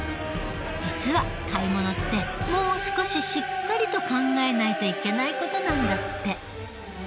実は買い物ってもう少ししっかりと考えないといけない事なんだって。